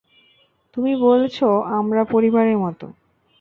তুমি বলেছ, আমরা পরিবারের মত।